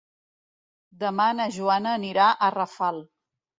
Demà na Joana anirà a Rafal.